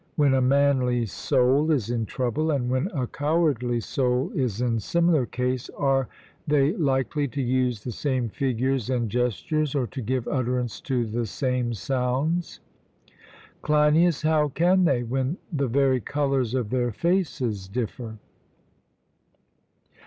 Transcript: When a manly soul is in trouble, and when a cowardly soul is in similar case, are they likely to use the same figures and gestures, or to give utterance to the same sounds? CLEINIAS: How can they, when the very colours of their faces differ?